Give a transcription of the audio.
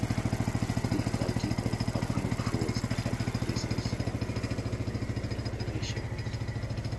The difficulty of a brute force attack increases with the number of iterations.